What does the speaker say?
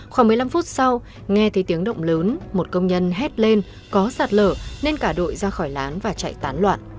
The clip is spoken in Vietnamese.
khoảng một mươi năm phút sau nghe thấy tiếng động lớn một công nhân hét lên có sạt lở nên cả đội ra khỏi lán và chạy tán loạn